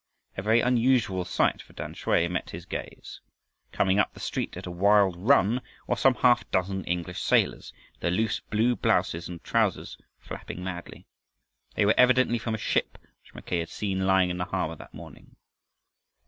A very unusual sight for Tamsui met his gaze. Coming up the street at a wild run were some half dozen English sailors, their loose blue blouses and trousers flapping madly. They were evidently from a ship which Mackay had seen lying in the harbor that morning.